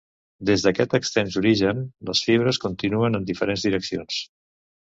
Des d'aquest extens origen, les fibres continuen en diferents direccions.